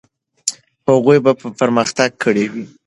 هغوی به پرمختګ کړی وي.